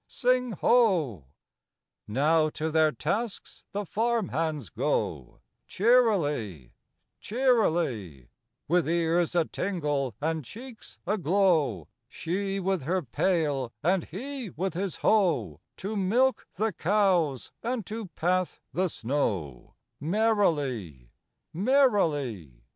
Sing, Ho! IV Now to their tasks the farm hands go, Cheerily, cheerily: With ears a tingle and cheeks a glow, She with her pail and he with his hoe, To milk the cows and to path the snow, Merrily, merrily.